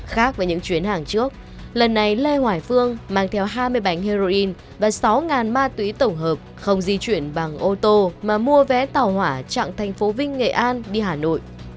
khác với những chuyến hàng trước lần này lê hoài phương mang theo hai mươi bánh heroin và sáu ma túy tổng hợp không di chuyển bằng ô tô mà mua vé tàu hỏa chặng thành phố vinh nghệ an đi hà nội